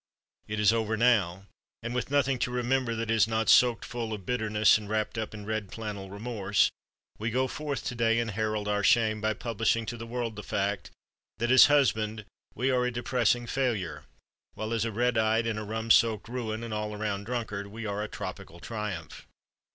It is over now, and with nothing to remember that is not soaked full of bitterness and wrapped up in red flannel remorse, we go forth to day and herald our shame by publishing to the world the fact, that as husband, we are a depressing failure, while as a red eyed and a rum soaked ruin and all around drunkard, we are a tropical triumph.